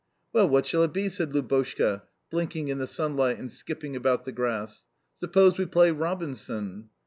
"Well, what shall it be?" said Lubotshka, blinking in the sunlight and skipping about the grass, "Suppose we play Robinson?"